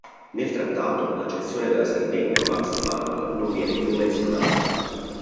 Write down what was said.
Nel trattato la cessione della Sardegna a Max Emanuel non viene più menzionata.